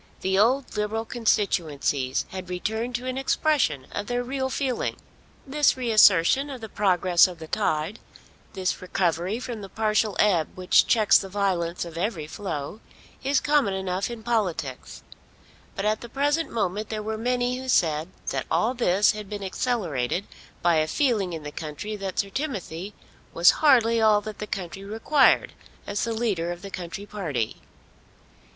The old Liberal constituencies had returned to an expression of their real feeling. This reassertion of the progress of the tide, this recovery from the partial ebb which checks the violence of every flow, is common enough in politics; but at the present moment there were many who said that all this had been accelerated by a feeling in the country that Sir Timothy was hardly all that the country required as the leader of the country party.